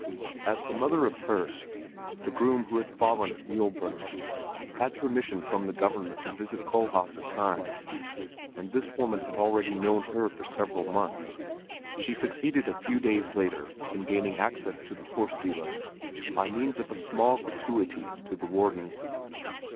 As the mother of Herse, the groom who had fallen at Mühlberg, had permission from the government to visit Kohlhaas at times, and this woman had already known her for several months, she succeeded a few days later in gaining access to the horse dealer by means of a small gratuity to the warden.